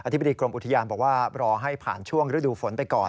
ธิบดีกรมอุทยานบอกว่ารอให้ผ่านช่วงฤดูฝนไปก่อน